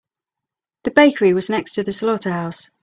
The bakery was next to the slaughterhouse.